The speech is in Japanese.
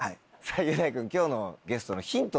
雄大君今日のゲストのヒント